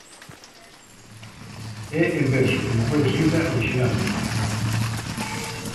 E en verso, como foi escrita orixinalmente.